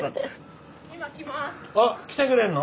あっ来てくれんの？